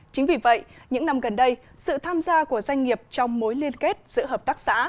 chính vì vậy những năm gần đây sự tham gia của doanh nghiệp trong mối liên kết giữa hợp tác xã